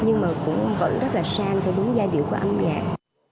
nhưng mà cũng vẫn rất là sang theo đúng giai điệu của âm nhạc